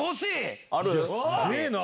すげぇな！